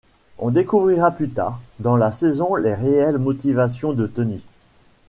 On découvrira plus tard dans la saison les réelles motivations de Tony.